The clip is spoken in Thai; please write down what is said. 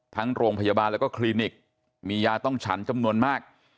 ทั้งโรงพยาบาลแล้วก็คลินิกมียาต้องฉันจำนวนมาก